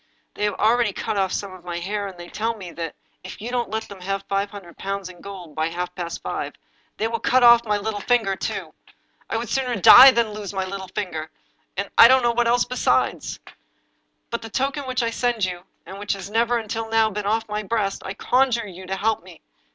They have already cut off some of my hair, and they tell me that, if you don't let them have five hundred pounds in gold by half past five, they will cut off my little finger too. I would sooner die than lose my little finger — and — I don't know what else besides. " By the token which I send you, and which has never, until now, been off my breast, I conjure you to help 'me.